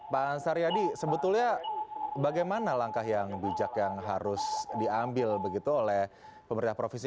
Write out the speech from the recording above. pak ansar yadi sebetulnya bagaimana langkah yang bijak yang harus diambil begitu oleh pemerintah provinsi